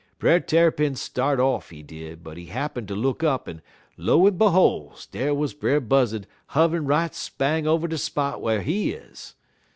"Brer Tarrypin start off, he did, but he happen ter look up, en, lo en beholes, dar wuz Brer Buzzud huv'rin' right spang over de spot whar he is.